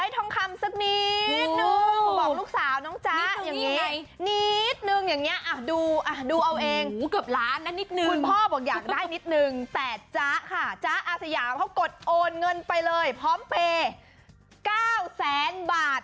แต่จ๊ะค่ะจ๊ะอาสยามเขากดโอนเงินไปเลยพร้อมเป็น๙๐๐๐๐๐บาท